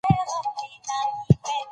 که عدالت پلی شي، بې ثباتي نه پاتې کېږي.